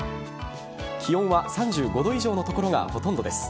気温は３５度以上の所がほとんどです。